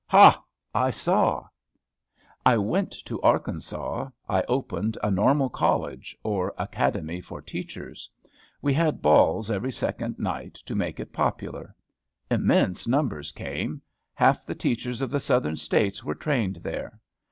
Ha! I saw! I went to Arkansas. I opened a "Normal College, or Academy for Teachers." We had balls every second night, to make it popular. Immense numbers came. Half the teachers of the Southern States were trained there.